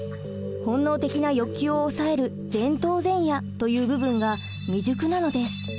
本能的な欲求を抑える「前頭前野」という部分が未熟なのです。